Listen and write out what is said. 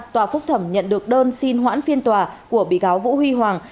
tòa phúc thẩm nhận được đơn xin hoãn phiên tòa của bị cáo vũ huy hoàng